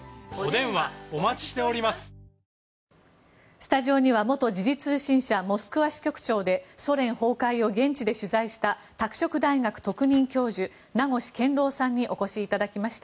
スタジオには元時事通信社モスクワ支局長でソ連崩壊を現地で取材した拓殖大学特任教授名越健郎さんにお越しいただきました。